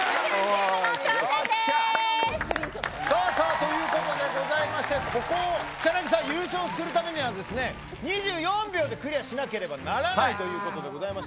ということでございましてここを優勝するためには２４秒でクリアしなければならないということであります。